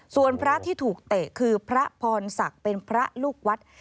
ส่วนพระที่ถูกเตะคือพระพรศักดิ์เป็นพระลูกวัด